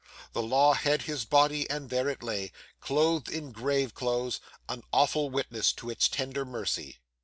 The law had his body; and there it lay, clothed in grave clothes, an awful witness to its tender mercy.